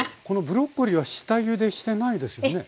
このブロッコリーは下ゆでしてないですよね？